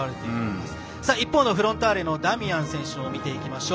一方の、フロンターレのダミアン選手を見ていきましょう。